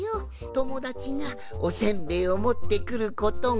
ともだちがおせんべいをもってくることがな。